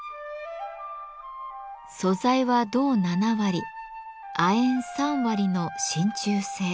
素材は銅７割亜鉛３割の真鍮製。